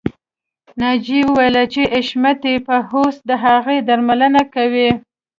ناجیه وویل چې حشمتي به اوس د هغې درملنه کوي